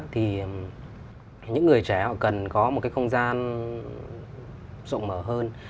thì những người trẻ họ cần có một cái không gian rộng mở hơn